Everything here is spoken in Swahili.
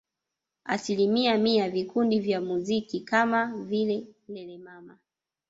Alisimamia vikundi vya muziki kama vile Lelemama